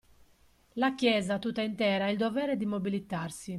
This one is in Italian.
La Chiesa tutta intera ha il dovere di mobilitarsi.